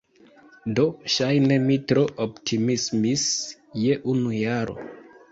Do, ŝajne mi tro optimismis je unu jaro!